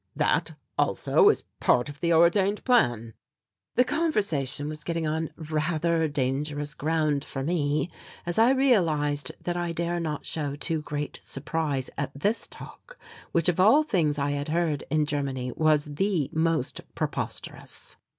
That, also, is part of the ordained plan." The conversation was getting on rather dangerous ground for me as I realized that I dare not show too great surprise at this talk, which of all things I had heard in Germany was the most preposterous.